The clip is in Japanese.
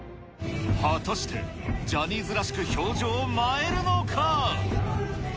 果たして、ジャニーズらしく氷上を舞えるのか。